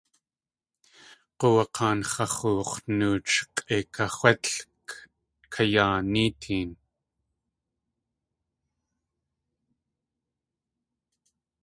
G̲uwakaan x̲ax̲oox̲ nooch k̲ʼeikaxétlʼk kayaaní teen.